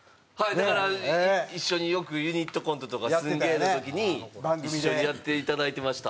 だから一緒によくユニットコントとか『すんげー！』の時に一緒にやっていただいてました。